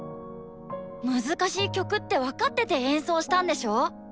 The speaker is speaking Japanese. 難しい曲って分かってて演奏したんでしょ。